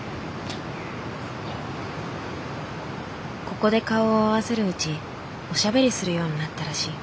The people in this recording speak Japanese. ここで顔を合わせるうちおしゃべりするようになったらしい。